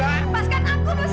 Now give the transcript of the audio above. lepaskan aku rizky